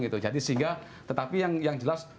gitu jadi sehingga tetapi yang jelas